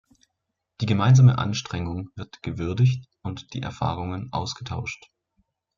Die gemeinsame Anstrengung wird gewürdigt und die Erfahrungen ausgetauscht.